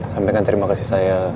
sampaikan terima kasih saya